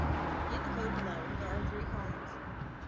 In the code below, there are three columns.